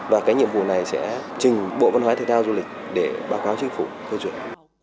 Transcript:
và cái nhiệm vụ này sẽ trình bộ văn hóa thực theo du lịch để báo cáo chính phủ khuên truyền